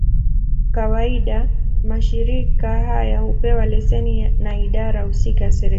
Kawaida, mashirika haya hupewa leseni na idara husika ya serikali.